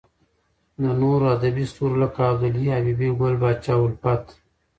د نورو ادبې ستورو لکه عبد الحی حبیبي، ګل پاچا الفت .